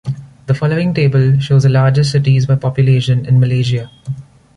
The following table shows the largest cities by population in Malaysia.